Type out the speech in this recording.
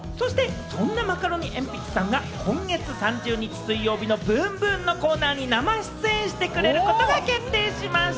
そんなマカロニえんぴつさんが今月３０日、水曜日のｂｏｏｍｂｏｏｍのコーナーに生出演してくれることが決定しました！